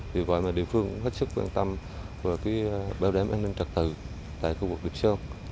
vì vậy địa phương cũng hết sức quan tâm vào bảo đảm an ninh trật tự tại khu vực địa sơn